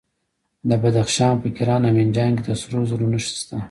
د بدخشان په کران او منجان کې د سرو زرو نښې شته.